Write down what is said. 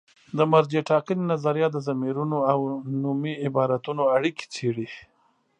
د مرجع ټاکنې نظریه د ضمیرونو او نومي عبارتونو اړیکې څېړي.